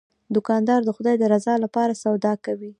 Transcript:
دوکاندار د خدای د رضا لپاره سودا کوي.